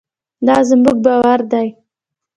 دا زموږ باور دی.